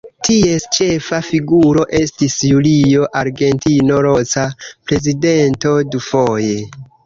Ties ĉefa figuro estis Julio Argentino Roca, prezidento dufoje.